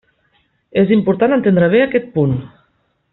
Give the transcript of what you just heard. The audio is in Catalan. És important entendre bé aquest punt.